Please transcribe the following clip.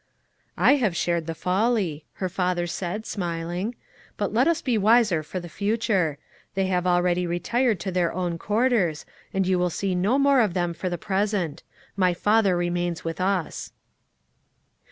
"I have shared the folly," her father said, smiling; "but let us be wiser for the future. They have already retired to their own quarters, and you will see no more of them for the present. My father remains with us."